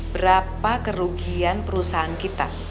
berapa kerugian perusahaan kita